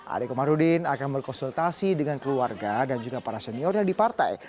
ade komarudin akan berkonsultasi dengan keluarga dan juga para senior yang di partai